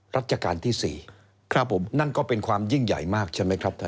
รัชกาลที่๔ครับผมนั่นก็เป็นความยิ่งใหญ่มากใช่ไหมครับท่าน